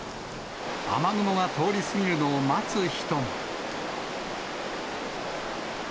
雨雲が通り過ぎるのを待つ人も。